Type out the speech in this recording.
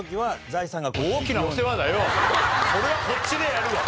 それはこっちでやるわ！